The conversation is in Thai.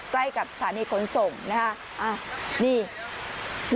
ใกล้กับศาสนิทธรสงศ์นะคะเนี้ย